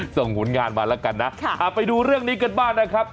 ส่งผลงานมาแล้วกันนะไปดูเรื่องนี้กันบ้างนะครับ